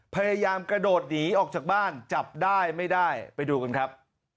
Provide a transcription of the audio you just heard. พยายามกระโดดหนีออกจากบ้านจับได้ไม่ได้ไปดูกันครับ